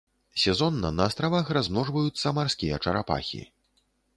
Сезонна на астравах размножваюцца марскія чарапахі.